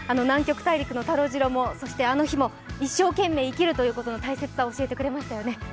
「南極大陸」のタロウ、ジロウもそして、あの日も一生懸命生きるということの大切さを教えてくれましたよね。